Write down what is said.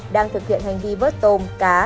đang thực hiện hành vi vớt tôm cá